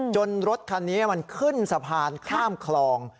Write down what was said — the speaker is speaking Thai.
รถคันนี้มันขึ้นสะพานข้ามคลอง